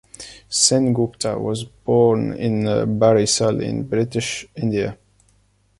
Sengupta was born in Barisal in British India.